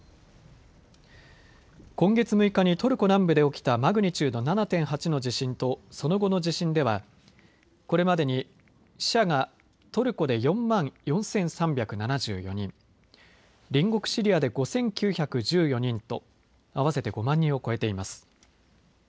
今月６日にトルコ南部で起きたマグニチュード７．８の地震とその後の地震ではこれまでに死者がトルコで４万４３７４人、隣国シリアで５９１４人と合わせて５万人を超えています。